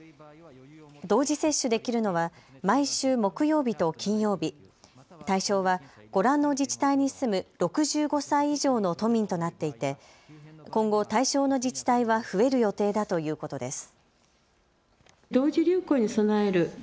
同時接種できるのは毎週木曜日と金曜日、対象はご覧の自治体に住む６５歳以上の都民となっていて今後、対象の自治体は増える予定だということです。